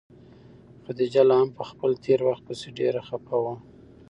خدیجه لا هم په خپل تېر وخت پسې ډېره خفه وه.